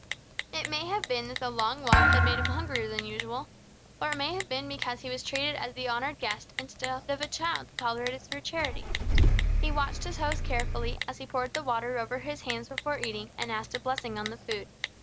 It may have been that the long walk had made him hungrier than usual, or it may have been because he was treated as the honored guest, instead of a child tolerated through charity. He watched his host carefully, as he poured the water over his hands before eating, and asked a blessing on the food.